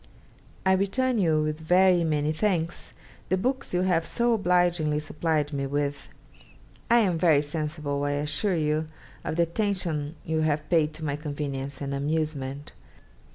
'I return you, with very many thanks, the books you have so obligingly supplied me with. I am very sensible, I assure you, of the attention you have paid to my convenience and amusement.